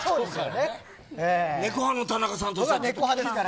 猫派の田中さん、どうですか。